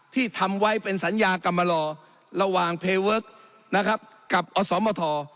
ที่ทำไว้เป็นสัญญากรรมลอระหว่างเพเวิร์คนะครับกับอสมท